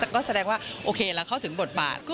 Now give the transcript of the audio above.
แล้วก็แสดงว่าโอเคละเข้าถึงบทบาท